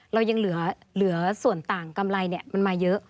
เรายังเหลือส่วนต่างกำไรมันมาเยอะ